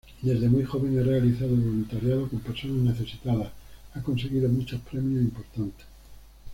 Desde muy joven ha realizado voluntariado con personas necesitadas, ha conseguido muchos premios importantes.